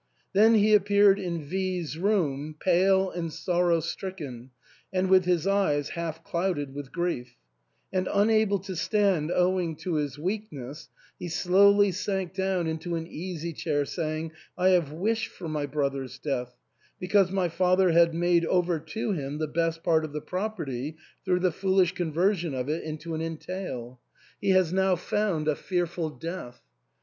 Then he appeared in V *s room, pale and sorrow stricken, and with his eyes half clouded with grief ; and unable to stand owing to his weakness, he slowly sank down into an easy chair, saying, "I have wished for my brother's death, because my father had made over to him the best part of the property through the foolish conversion of it into an entail. He has now found 294 THE ENTAIL. a fearful death.